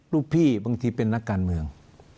ลูกพี่บางทีเป็นนักการเมือง